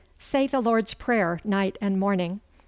Say the Lord's Prayer night and morning.